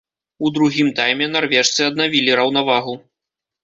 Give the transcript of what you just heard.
У другім тайме нарвежцы аднавілі раўнавагу.